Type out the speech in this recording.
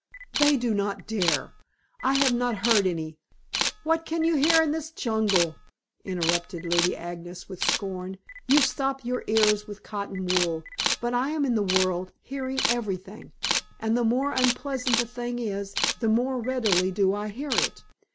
"They do not dare. I have not heard any " "What can you hear in this jungle?" interrupted Lady Agnes with scorn. "You stop your ears with cotton wool, but I am in the world, hearing everything. And the more unpleasant the thing is, the more readily do I hear it.